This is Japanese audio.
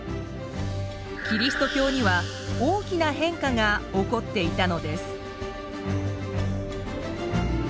キリスト教には大きな変化が起こっていたのです。